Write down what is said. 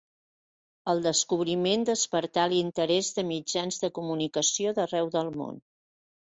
El descobriment despertà l'interès de mitjans de comunicació d'arreu del món.